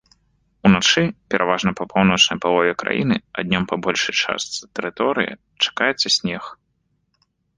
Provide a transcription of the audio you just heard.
Уначы пераважна па паўночнай палове краіны, а днём на большай частцы тэрыторыі чакаецца снег.